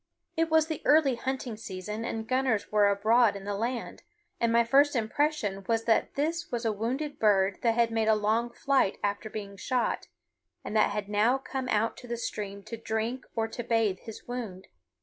It was the early hunting season and gunners were abroad in the land, and my first impression was that this was a wounded bird that had made a long flight after being shot, and that had now come out to the stream to drink or to bathe his wound.